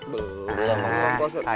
belum makan belum makan